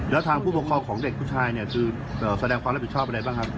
แล้วทางผู้ปกครองของเด็กผู้ชายเนี่ยคือแสดงความรับผิดชอบอะไรบ้างครับ